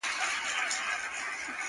حجرې ته یم راغلې طالب جان مي پکښي نسته!